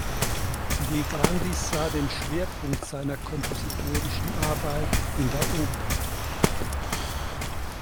De Grandis sah den Schwerpunkt seiner kompositorischen Arbeit in der Oper.